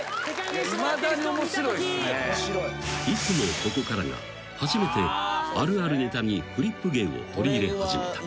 ［いつもここからが初めてあるあるネタにフリップ芸を取り入れ始めた］